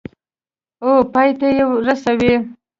او پای ته یې رسوي.